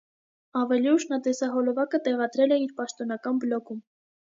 Ավելի ուշ նա տեսահոլովակը տեղադրել է իր պաշտոնական բլոգում։